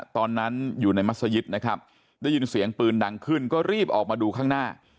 ตอนนั้นอยู่ในมัศยิตนะครับได้ยินเสียงปืนดังขึ้นก็รีบออกมาดูข้างหน้า